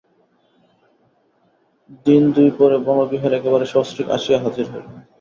দিনদুই পরে বনবিহার একেবারে সস্ত্রীক আসিয়া হাজির হইল।